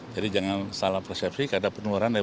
jadi jangan salah persepsi karena penularan itu tidak akan berhasil